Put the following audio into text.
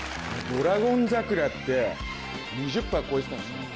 『ドラゴン桜』って２０パー超えてたんすよね。